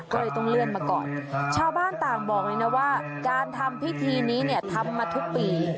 ก็เลยต้องเลื่อนมาก่อนชาวบ้านต่างบอกเลยนะว่าการทำพิธีนี้เนี่ยทำมาทุกปี